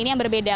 ini yang berbeda